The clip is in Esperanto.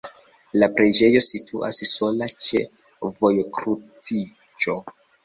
La preĝejo situas sola ĉe vojkruciĝo.